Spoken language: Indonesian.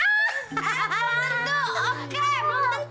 tentu gue malah mak